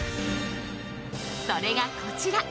それが、こちら。